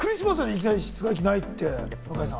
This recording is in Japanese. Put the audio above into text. いきなり室外機がないって、向井さん。